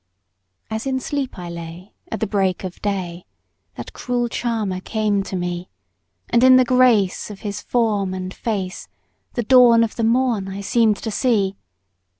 As in sleep I lay at the break of day that cruel charmer came to me, And in the grace of his form and face the dawn of the morn I seemed to see.